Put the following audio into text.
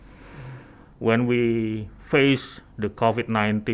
ketika kita menghadapi covid sembilan belas